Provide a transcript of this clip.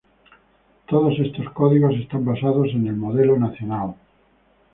Todos estos códigos están basados en el modelo nacional.